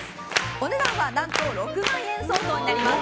お値段何と６万円相当になります。